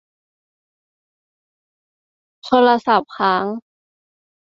โทรศัพท์ค้าง